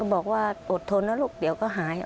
บอกว่าอดทนนะลูกเดี๋ยวก็หาย